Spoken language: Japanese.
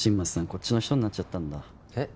こっちの人になっちゃったんだえっ？